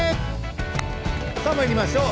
まいりましょう。